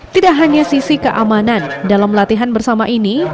tidak hanya sisi keamanan dalam latihan bersama ini